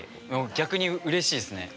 逆にうれしいですね。